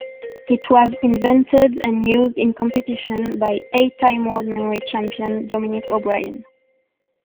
It was invented and used in competition by eight-time World Memory Champion Dominic O'Brien.